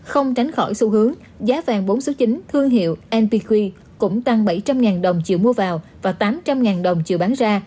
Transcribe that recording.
không tránh khỏi xu hướng giá vàng bốn số chín thương hiệu npq cũng tăng bảy trăm linh đồng chiều mua vào và tám trăm linh đồng chiều bán ra